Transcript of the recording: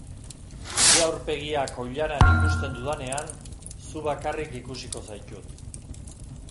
Nire aurpegia koilaran ikusten dudanean, zu bakarrik ikusiko zaitut.